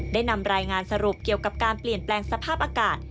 ได้นำรายงานสรุปเกี่ยวกับการเปลี่ยนแปลงสภาพอากาศ